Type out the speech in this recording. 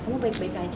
kamu baik baik aja